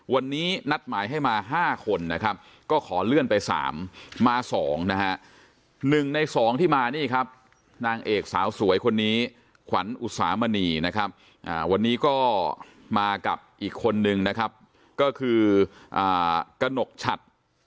วันนี้นัดหมายให้มา๕คนนะครับก็ขอเลื่อนไป๓มา๒นะฮะ๑ใน๒ที่มานี่ครับนางเอกสาวสวยคนนี้ขวัญอุตสามณีนะครับวันนี้ก็มากับอีกคนนึงนะครับก็คือกระหนกฉัด